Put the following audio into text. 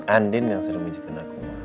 andin yang sering pijetin aku ma